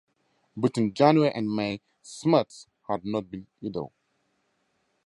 Between January and May Smuts had not been idle.